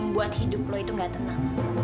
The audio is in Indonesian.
buat hidup lo itu gak tenang